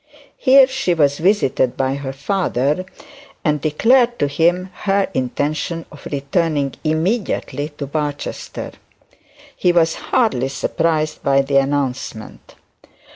Here she was visited by her father and declared to him her intention of returning immediately to Barchester. He was hardly surprised by the announcement.